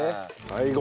最後。